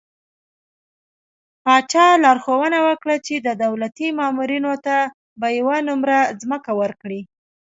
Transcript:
پاچا لارښوونه وکړه چې د دولتي مامورينو ته به يوه نمره ځمکه ورکړي .